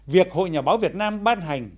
việc hội nhà báo việt nam ban hành